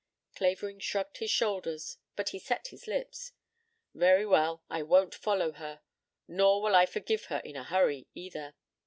Clavering shrugged his shoulders, but he set his lips. "Very well. I won't follow her. Nor will I forgive her in a hurry, either."